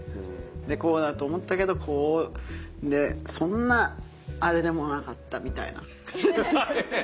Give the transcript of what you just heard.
でこうだと思ったけどこう「そんなアレでもなかった」は。